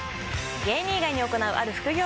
芸人以外に行うある副業とは？